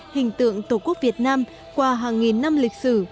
hình tượng tổ quốc việt nam qua hàng nghìn năm lịch sử